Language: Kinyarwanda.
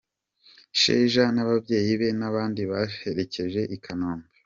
Sheja n'ababyeyi be n'abandi babaherekeje i Kanombe.